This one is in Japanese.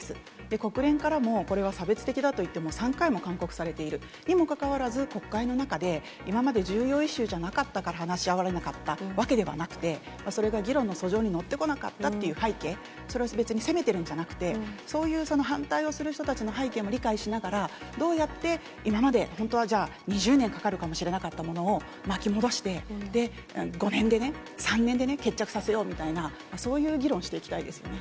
国連からもこれは差別的だといって、もう３回も勧告されている、にもかかわらず、国会の中で、今まで重要イシューじゃなかったから話し合われなかったわけではなくて、それが議論のそ上に乗ってこなかったという背景、それは別に責めてるんじゃなくて、そういう反対をする人たちの背景も理解しながら、どうやって今まで、本当はじゃあ、２０年かかるかもしれなかったものを、巻き戻して、で、５年でね、３年でね、決着させようみたいな、そういう議論していきたいですね。